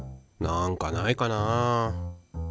なんかないかな。